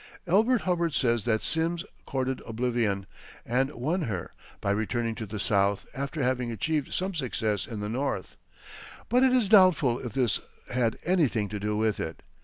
Elbert Hubbard says that Simms "courted oblivion and won her" by returning to the South after having achieved some success in the North; but it is doubtful if this had anything to do with it.